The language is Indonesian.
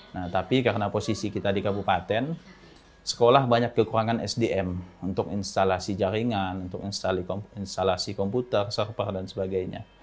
nah tapi karena posisi kita di kabupaten sekolah banyak kekurangan sdm untuk instalasi jaringan untuk instalasi komputer server dan sebagainya